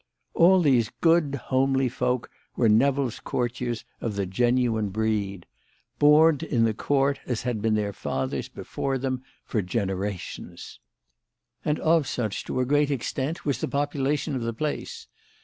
All these good, homely folk were Nevill's Courtiers of the genuine breed; born in the court, as had been their fathers before them for generations. And of such to a great extent was the population of the place.